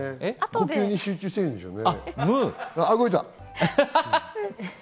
呼吸に集中しているんでしょうね。